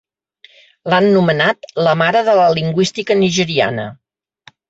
L'han nomenat la mare de la lingüística nigeriana.